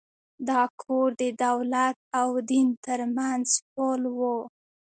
دا کور د دولت او دین تر منځ پُل و.